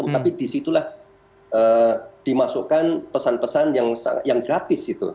tapi di situlah dimasukkan pesan pesan yang gratis itu